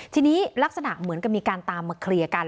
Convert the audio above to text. ทีนี้ลักษณะเหมือนกับมีการตามมาเคลียร์กัน